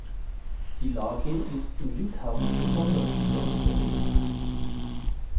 Die Lage ist in Litauen besonders besorgniserregend.